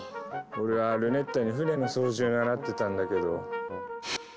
俺はルネッタに船の操縦習ってたんだけど。